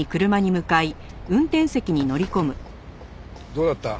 どうだった？